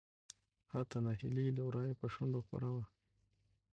حتا نهيلي له ورايه په شنډو خوره وه .